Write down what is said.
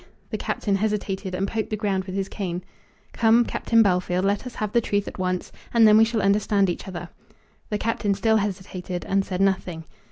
The Captain hesitated, and poked the ground with his cane. "Come, Captain Bellfield, let us have the truth at once, and then we shall understand each other." The Captain still hesitated, and said nothing.